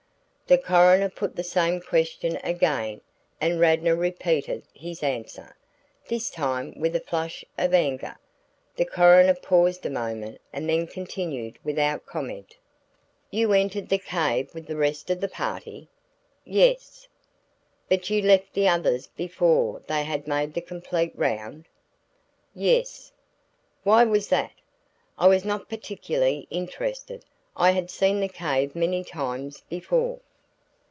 The coroner put the same question again and Radnor repeated his answer, this time with a flush of anger. The coroner paused a moment and then continued without comment: "You entered the cave with the rest of the party?" "Yes." "But you left the others before they had made the complete round?" "Yes." "Why was that?" "I was not particularly interested. I had seen the cave many times before."